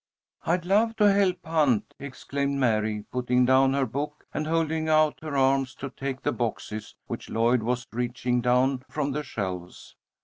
"I'd love to help hunt," exclaimed Mary, putting down her book and holding out her arms to take the boxes which Lloyd was reaching down from the shelves.